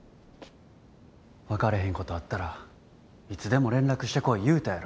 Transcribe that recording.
分かれへんことあったらいつでも連絡してこい言うたやろ。